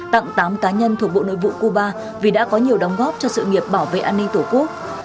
tặng tám cá nhân thuộc bộ nội vụ cuba vì đã có nhiều đóng góp cho sự nghiệp bảo vệ an ninh tổ quốc